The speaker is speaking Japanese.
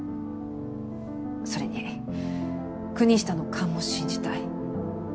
それに国下の勘も信じたい。